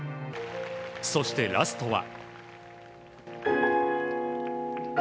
そして、ラストは。